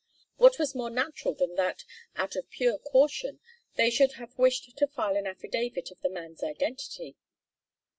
What was more natural than that, out of pure caution, they should have wished to file an affidavit of the man's identity?